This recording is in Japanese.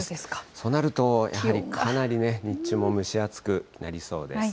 となると、やはりかなり、日中も蒸し暑くなりそうです。